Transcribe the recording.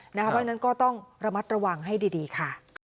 เพราะฉะนั้นก็ต้องระมัดระวังให้ดีค่ะ